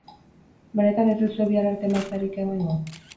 Benetan ez duzue bihar arte emaitzarik emango?